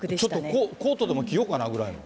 ちょっとコートでも着ようかなぐらいの？